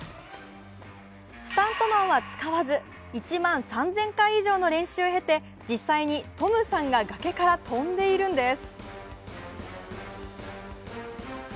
スタントマンは使わず、１万３０００回以上の練習を経て、実際にトムさんが崖から飛んでいるんです。